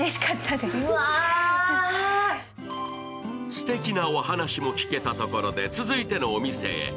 すてきなお話も聞けたところで続いてのお店へ。